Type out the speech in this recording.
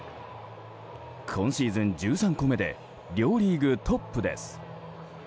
今シーズン１３個目で両リーグトップです。